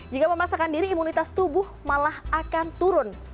jika memasakkan diri imunitas tubuh malah akan turun